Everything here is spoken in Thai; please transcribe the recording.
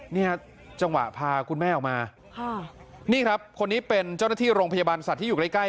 เนี่ยจังหวะพาคุณแม่ออกมาค่ะนี่ครับคนนี้เป็นเจ้าหน้าที่โรงพยาบาลสัตว์ที่อยู่ใกล้ใกล้